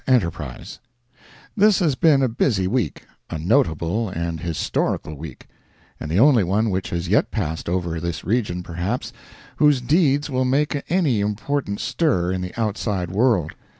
ENTERPRISE: This has been a busy week—a notable and a historical week—and the only one which has yet passed over this region, perhaps, whose deeds will make any important stir in the outside world.